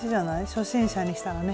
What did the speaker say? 初心者にしたらね。